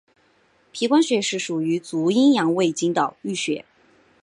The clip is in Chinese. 髀关穴是属于足阳明胃经的腧穴。